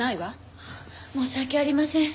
申し訳ありません。